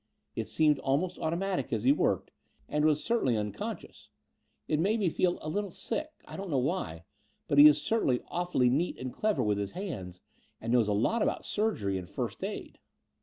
It seemed almost automatic as he worked, and was certainly unconscious. It made me feel a little sick — I don't know why — but he is certainly awfully neat and clever with his hands, and knows a lot about surgery and first aid."